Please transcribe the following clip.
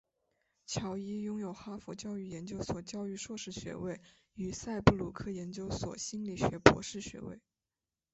乔伊拥有哈佛教育研究所教育硕士学位与赛布鲁克研究所心理学博士学位。